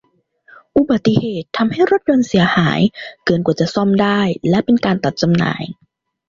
อุบัติเหตุทำให้รถยนต์เสียหายเกินกว่าจะซ่อมได้และเป็นการตัดจำหน่าย